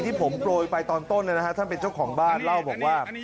ที่ผมโปรยไปตอนต้นท่านเป็นเจ้าของบ้านเล่าบอกว่า